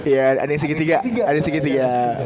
iya ada yang segitiga